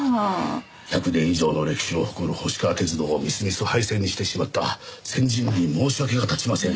１００年以上の歴史を誇る星川鐵道をみすみす廃線にしてしまっては先人に申し訳が立ちません。